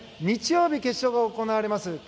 日曜日、決勝が行われます